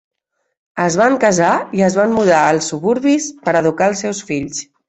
Es van casar i es van mudar als suburbis per educar els seus fills.